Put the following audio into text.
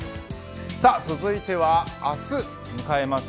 続いては明日迎えます